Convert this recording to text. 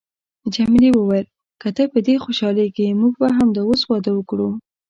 جميلې وويل: که ته په دې خوشحالیږې، موږ به همدا اوس واده وکړو.